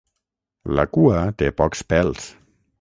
La cua té pocs pèls.